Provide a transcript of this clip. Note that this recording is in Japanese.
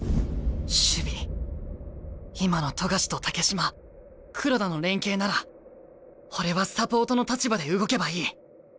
今の冨樫と竹島黒田の連係なら俺はサポートの立場で動けばいい。